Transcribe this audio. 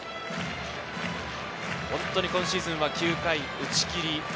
今シーズンは９回打ち切り。